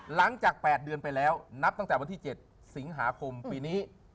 หลังจาก๘เดือนไปแล้วนับตั้งแต่วันที่๗สิงหาคมปีนี้